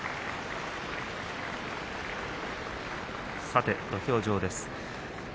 さて、土俵上です。